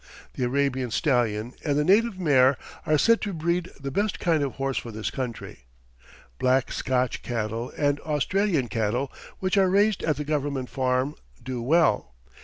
The Arabian stallion and the native mare are said to breed the best kind of horse for this country. Black Scotch cattle and Australian cattle, which are raised at the government farm, do well.